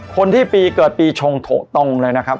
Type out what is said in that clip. คนที่ปีเกิดปีชงตกตรงเลยนะครับ